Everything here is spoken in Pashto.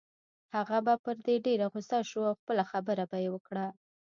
هغه به پرې په ډېره غصه شو او خپله خبره به يې وکړه.